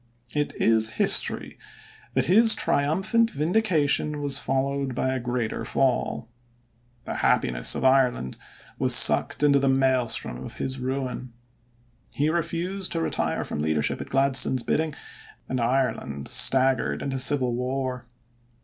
It is history that his triumphant vindication was followed by a greater fall. The happiness of Ireland was sucked into the maelstrom of his ruin. He refused to retire from leadership at Gladstone's bidding, and Ireland staggered into civil war.